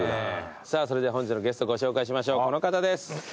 さぁそれでは本日のゲストご紹介しましょうこの方です。